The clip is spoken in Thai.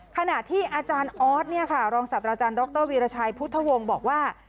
ขณะที่อาจารย์ออสเนี่ยค่ะรองศาสตราจารย์ดรวีรชัยพุทธวงศ์บอกว่า